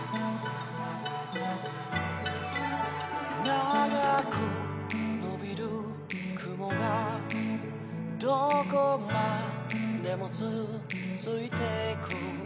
「長く伸びる雲がどこまでも続いていく」